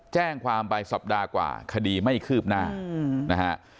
แจ้งความไปสัปดาห์กว่าคดีไม่คืบหน้านะฮะ